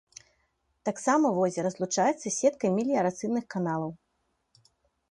Таксама возера злучаецца з сеткай меліярацыйных каналаў.